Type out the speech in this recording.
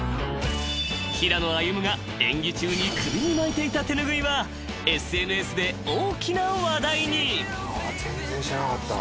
［平野歩夢が演技中に首に巻いていた手ぬぐいはＳＮＳで大きな話題に］